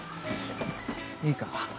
いいか？